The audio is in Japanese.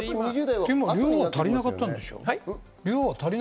量は足りなかったんでしょ？